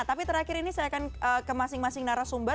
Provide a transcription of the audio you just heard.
tapi terakhir ini saya akan ke masing masing narasumber